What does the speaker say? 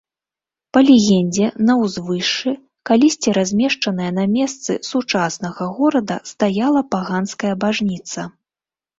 Па легендзе, на ўзвышшы, калісьці размешчанае на месцы сучаснага горада, стаяла паганская бажніца.